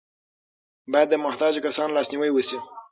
باید د محتاجو کسانو لاسنیوی وشي.